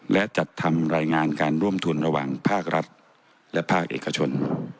และจัดทำรายงานการร่วมทุนระหว่างภาครัฐและภาคเอกชน